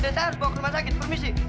dia seharusnya bawa ke rumah sakit permisi